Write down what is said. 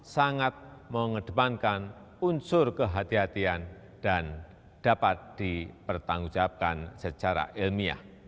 sangat mengedepankan unsur kehatian kehatian dan dapat dipertanggungjawabkan secara ilmiah